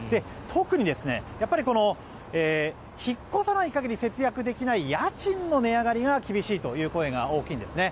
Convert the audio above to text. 特に、やっぱり引っ越さない限り節約できない家賃の値上がりが厳しいという声が大きいんですね。